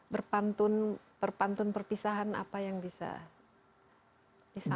berpantun berpantun perpisahan apa yang bisa disampaikan